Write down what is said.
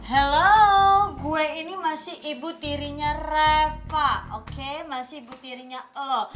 halo gue ini masih ibu tirinya reva oke masih ibu tirinya lho